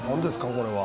これは。